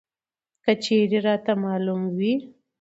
که چېرې راته معلوم وى!